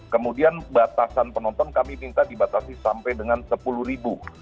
kemudian batasan penonton kami minta dibatasi sampai dengan sepuluh ribu